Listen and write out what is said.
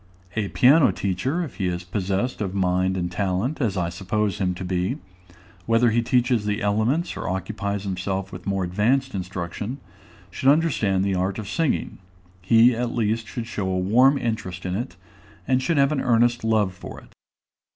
A piano teacher, if he is possessed of mind and talent, as I suppose him to be, whether he teaches the elements or occupies himself with more advanced instruction, should understand the art of singing; he, at least, should show a warm interest in it, and should have an earnest love for it.